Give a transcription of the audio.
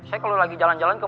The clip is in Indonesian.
saya kalau lagi jalan jalan ke